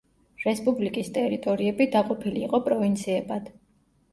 რესპუბლიკის ტერიტორიები დაყოფილი იყო პროვინციებად.